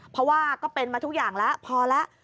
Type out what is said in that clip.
เพราะว่าก็เป็นมาทุกอย่างแล้วพอแล้ว